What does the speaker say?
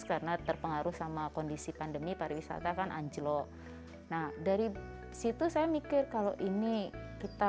karena terpengaruh sama kondisi pandemi pariwisata kan anjlok nah dari situ saya mikir kalau ini kita